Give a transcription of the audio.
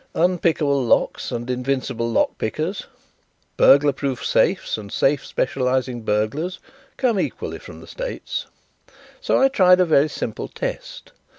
Unpickable locks and invincible lock pickers, burglar proof safes and safe specializing burglars, come equally from the States. So I tried a very simple test.